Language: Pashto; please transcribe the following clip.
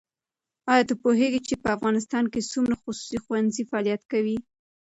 ایا ته پوهېږې چې په افغانستان کې څومره خصوصي ښوونځي فعالیت کوي؟